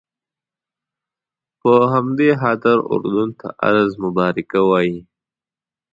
په همدې خاطر اردن ته ارض مبارکه وایي.